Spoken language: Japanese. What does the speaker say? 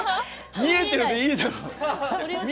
見えてるでいいじゃん！